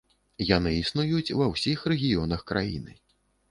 Яны існуюць ва ўсіх рэгіёнах краіны.